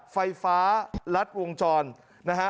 ไฟฟ้ารัดวงจรนะฮะ